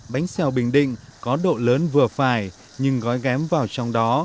bánh xèo bình định có độ lớn vừa phải nhưng gói ghém vào trong đó